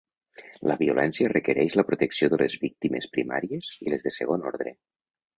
La violència requereix la protecció de les víctimes primàries i les de segon ordre.